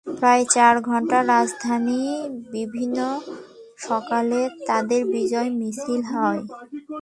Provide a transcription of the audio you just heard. প্রায় চার ঘণ্টা রাজধানীর বিভিন্ন সকলে তাদের বিজয় মিছিল হয়।